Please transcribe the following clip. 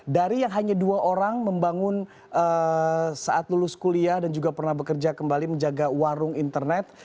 dari yang hanya dua orang membangun saat lulus kuliah dan juga pernah bekerja kembali menjaga warung internet